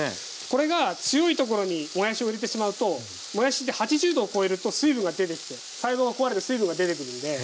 これが強いところにもやしを入れてしまうともやしって８０度を超えると水分が出てきて細胞が壊れて水分が出てくるんで。